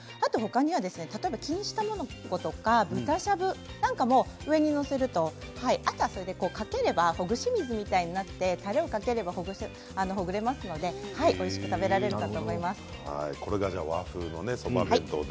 例えば金糸卵とか豚しゃぶを上に載せるとあとはかけるとほぐし水みたいになってたれをかけると、ほぐれますのでおいしく食べられるかと思います。